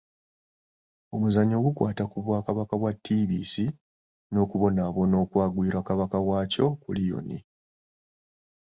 Omuzannyo gukwata ku Bwakabaka bwa Tiibisi n’okubonaabona okwagwira Kabaka waakyo Kuliyooni.